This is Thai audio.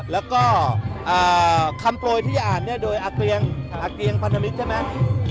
แล้วก็คำโปรยที่จะอ่านเนี่ยโดยอาเกียงอาเกียงพันธมิตรใช่ไหม